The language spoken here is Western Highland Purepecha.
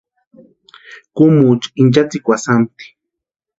Kúmucha inchatsikwasï jámti.